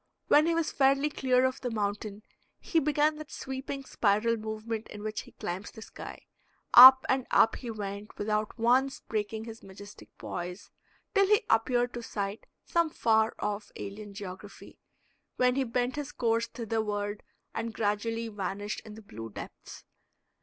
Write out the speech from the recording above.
When he was fairly clear of the mountain he began that sweeping spiral movement in which he climbs the sky. Up and up he went without once breaking his majestic poise till he appeared to sight some far off alien geography, when he bent his course thitherward and gradually vanished in the blue depths.